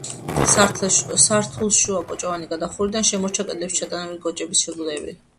სართულშუა კოჭოვანი გადახურვიდან შემორჩა კედლებში ჩატანებული კოჭების ბუდეები.